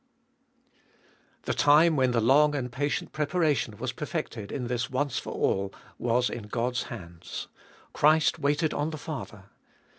7. The time when the long and patient preparation was perfected in this once for all was in God's hands. Christ waited on the Father.